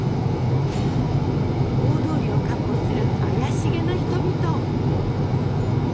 大通りをかっ歩する怪しげな人々。